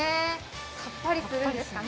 さっぱりするんですかね。